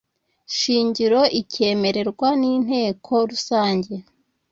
shingiro ikemerwa n’inteko rusange